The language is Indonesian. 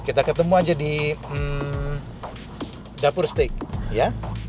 kita ketemu aja di dapur steak ya